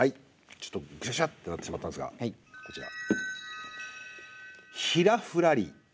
ちょっとぐしゃぐしゃっとなってしまったんですがこちら。